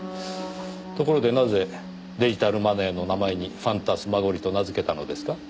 ところでなぜデジタルマネーの名前にファンタスマゴリと名付けたのですか？